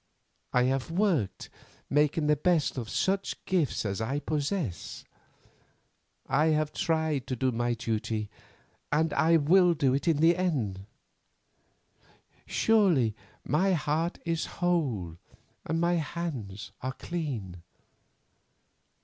I have worked, making the best of such gifts as I possess. I have tried to do my duty, and I will do it to the end. Surely my heart is whole and my hands are clean.